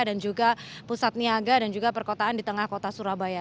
dan juga pusat niaga dan juga perkotaan di tengah kota surabaya